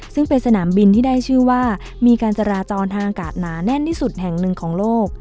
ซึ่งเป็นสนามบินที่ได้ชื่อว่ามีการจราจรทางอากาศหนาแน่นที่สุดแห่งหนึ่งของโลก